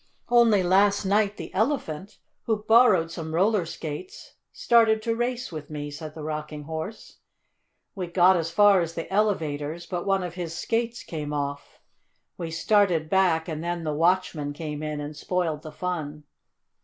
"Only last night the Elephant, who borrowed some roller skates, started to race with me," said the Rocking Horse. "We got as far as the elevators, but one of his skates came off. We started back and then the watchman came in and spoiled the fun."